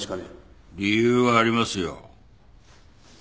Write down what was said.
・理由はありますよ。